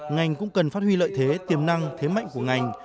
ngành cũng cần phát huy lợi thế tiềm năng thế mạnh của ngành